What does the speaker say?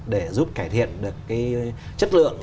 để giúp cải thiện được chất lượng